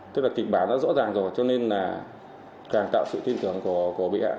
tức là kịch bản đã rõ ràng rồi cho nên là càng tạo sự tin tưởng của bị hại